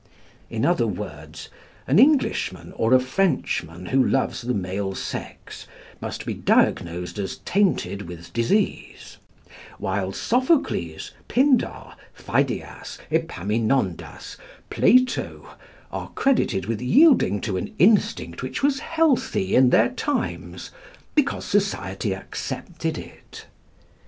In other words, an Englishman or a Frenchman who loves the male sex must be diagnosed as tainted with disease; while Sophocles, Pindar, Pheidias, Epaminondas, Plato, are credited with yielding to an instinct which was healthy in their times because society accepted it.